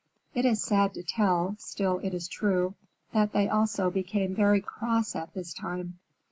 It is sad to tell, still it is true, that they also became very cross at this time.